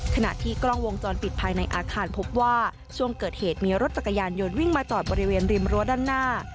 ขณะที่กล้องวงจรปิดภายในอาคารพบว่าช่วงเกิดเหตุมีรถจักรยานยนต์วิ่งมาจอดบริเวณริมรั้วด้านหน้า